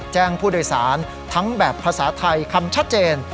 แจ้งผู้โดยสารทั้งแบบภาษาไทยคำชัดเจน